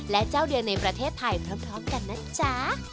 และเจ้าเดียวในประเทศไทยพร้อมกันนะจ๊ะ